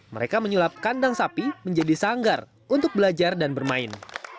mereka menyulap kandang sapi menjadi sanggar untuk belajar dan bermain